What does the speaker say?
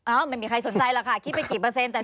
อ้าวไม่มีใครสนใจแหละค่ะคิดเป็นเป้นกี่เปอร์เซ็นต์